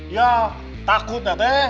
ya takut ya teh